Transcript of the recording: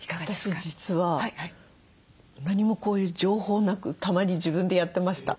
私実は何もこういう情報なくたまに自分でやってました。